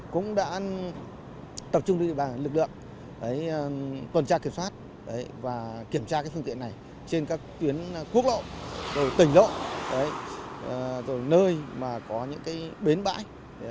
cũng đã tập trung lực lượng tuần tra kiểm soát và kiểm tra cái phương tiện này trên các tuyến cước lộ tỉnh lộ nơi mà có những cái bến bãi